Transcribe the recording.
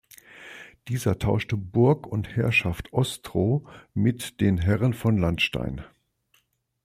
Dieser tauschte Burg und Herrschaft Ostroh mit den Herren von Landstein.